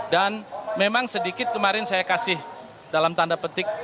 dan memang sedikit kemarin saya kasih dalam tanda petik